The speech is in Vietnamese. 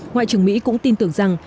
ngoại trưởng mỹ cũng tin tưởng rằng